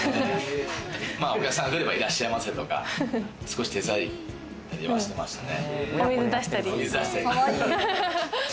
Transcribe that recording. お客さんが来れば、いらっしゃいませとか、少し手伝いはしてましたね。